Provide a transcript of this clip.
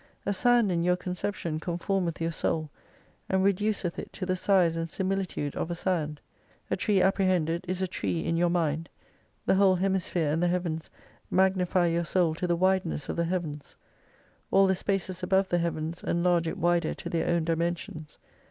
A sand in your conception conformeth your soul, and reduceth it to the size and similitude of a sand, A tree apprehended is a tree in your mind ; the whole hemisphere and the heavens magnify your soul to the wideness of the heavens ; all the spaces above the heavens enlarge it wider to their own dimensions.